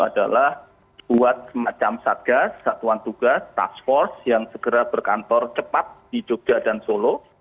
adalah buat semacam satgas satuan tugas task force yang segera berkantor cepat di jogja dan solo